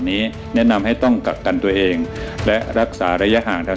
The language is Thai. นี้แนะนำให้ต้องกักกันตัวเองและรักษาระยะห่างทาง